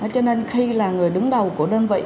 cho nên khi là người đứng đầu của đơn vị